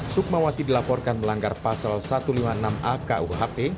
sukmawati dilaporkan melanggar pasal satu ratus lima puluh enam a kuhp